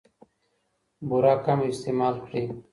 بوره کمه استعمال کړئ.